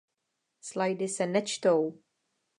Slajdy se nečtou!